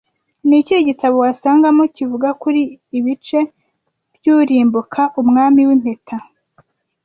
Ni ikihe gitabo wasangamo kivuga kuri "Ibice by'Urimbuka" Umwami w'impeta